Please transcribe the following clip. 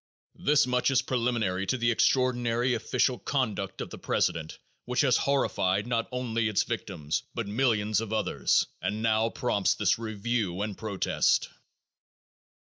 This much is preliminary to the extraordinary official conduct of the president which has "horrified" not only its victims but millions of others, and now prompts this review and protest.